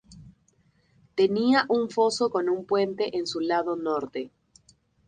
Tenía un foso con un puente en su lado norte.